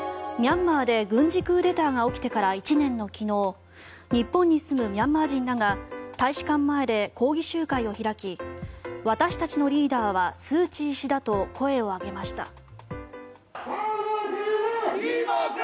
ミャンマーで軍事クーデターが起きてから１年の昨日日本に住むミャンマー人らが大使館前で抗議集会を開き私たちのリーダーはスーチー氏だと声を上げました。